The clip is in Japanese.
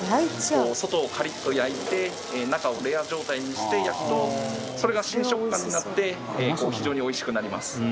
外をカリッと焼いて中をレア状態にして焼くとそれが新食感になって非常においしくなります。